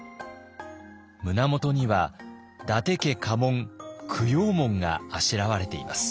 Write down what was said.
胸元には伊達家家紋九曜紋があしらわれています。